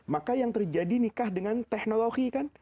maka yang terjadi nikah dengan teknologi kan